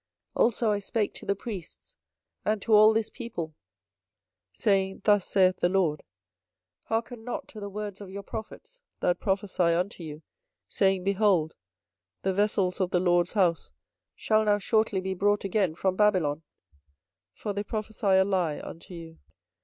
24:027:016 Also I spake to the priests and to all this people, saying, Thus saith the LORD; Hearken not to the words of your prophets that prophesy unto you, saying, Behold, the vessels of the LORD's house shall now shortly be brought again from Babylon: for they prophesy a lie unto you.